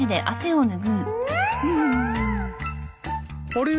あれ？